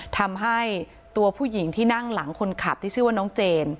ทำให้ตัวผู้หญิงที่นั่งหลังคนขับที่ชื่อว่าน้องเจน